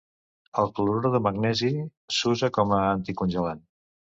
El clorur de magnesi s'usa com a anticongelant.